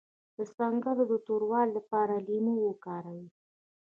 د څنګلو د توروالي لپاره لیمو وکاروئ